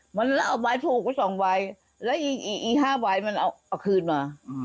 เหมือนเล่าไม่ถูกกว่า๒ใบและ๕ได้มันเอาออกคืนมา